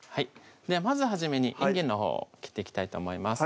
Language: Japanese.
まず初めにいんげんのほうを切っていきたいと思います